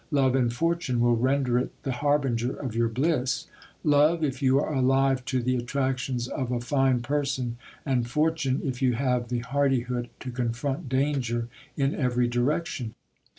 Love and fortune will render it the harbinger of your bliss : love, if you are alive to the attractions of a fine person, and fortune, if you have the hardihood to confront danger in every direction.